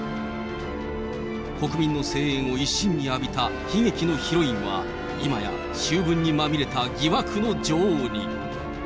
国民の声援を一身に浴びた悲劇のヒロインは、今や、醜聞にまみれた疑惑の女王に。